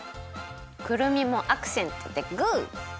くるみもアクセントでグー！